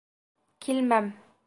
—...килмәм...